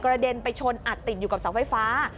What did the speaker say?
เด็นไปชนอัดติดอยู่กับเสาไฟฟ้า